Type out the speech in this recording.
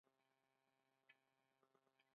له کټواز څخه کندهار ښار ته کډه شوی و.